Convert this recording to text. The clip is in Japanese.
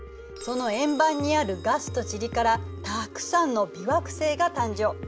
その円盤にあるガスと塵からたくさんの微惑星が誕生。